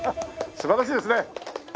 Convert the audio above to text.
素晴らしいですね。